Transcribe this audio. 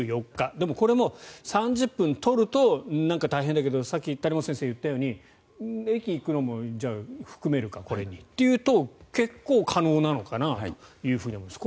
でもこれも、３０分取るとなんか大変だけどさっき先生が言ったように駅に行くのも含めるかこれにというと結構可能なのかなと思います。